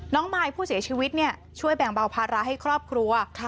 มายผู้เสียชีวิตช่วยแบ่งเบาภาระให้ครอบครัว